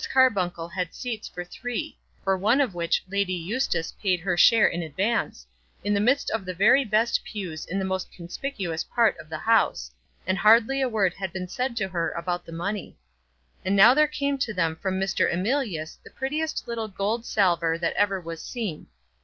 Carbuncle had seats for three, for one of which Lady Eustace paid her share in advance, in the midst of the very best pews in the most conspicuous part of the house, and hardly a word had been said to her about the money. And now there came to them from Mr. Emilius the prettiest little gold salver that ever was seen.